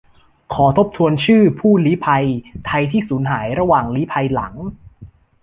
ขอทบทวนชื่อ ผู้ลี้ภัย ไทยที่สูญหายระหว่างลี้ภัยหลัง